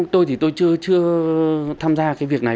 tôi thì tôi chưa tham gia cái việc này